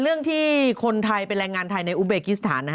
เรื่องที่คนไทยเป็นแรงงานไทยในอุเบกิสถาน